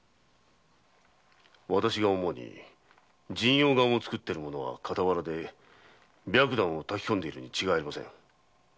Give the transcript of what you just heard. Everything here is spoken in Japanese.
思うに神陽丸を作っている者は傍らで白檀を薫き込んでいるに違いありません。